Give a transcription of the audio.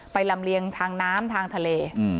ลำเลียงทางน้ำทางทะเล